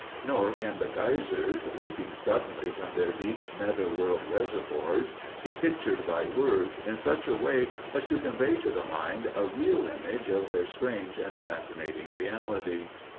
Nor can the geysers, leaping suddenly from their deep, nether world reservoirs, be pictured by words in such a way as to convey to the mind a real image of their strange and fascinating reality.